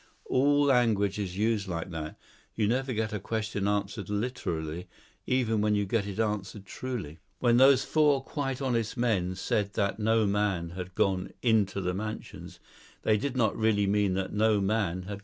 All language is used like that; you never get a question answered literally, even when you get it answered truly. When those four quite honest men said that no man had gone into the Mansions, they did not really mean that no man had gone into them.